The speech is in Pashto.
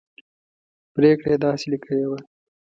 پرېکړه یې داسې لیکلې وه.